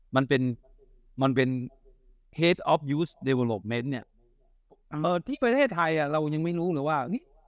มันเป็นมันเป็นเนี้ยเอ่อที่ประเทศไทยอะเรายังไม่รู้หรือว่านี่